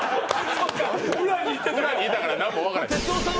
裏にいたら何も分からへん。